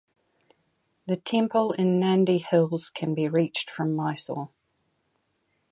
The temple in Nandhi Hills can be reached from Mysore.